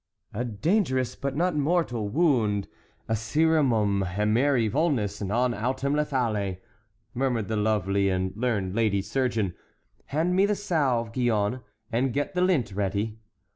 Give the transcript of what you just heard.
"A dangerous but not mortal wound, acerrimum humeri vulnus, non autem lethale," murmured the lovely and learned lady surgeon; "hand me the salve, Gillonne, and get the lint ready."